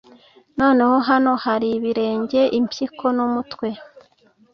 Noneho hano hari ibirenge impyiko n'umutwe